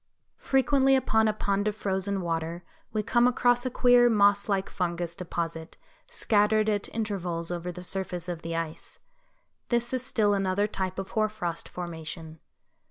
Frequently upon a pond of frozen water we come across a queer moss like fungus deposit scattered at intervals over the surface of the ice. This is still another type of hoar frost formation.